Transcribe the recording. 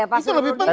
itu lebih penting